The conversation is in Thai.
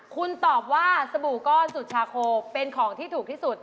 คุณตอบว่าสบู่ก้อนสุชาโคเป็นของที่ถูกที่สุด